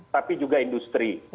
tapi juga untuk menjadikan industri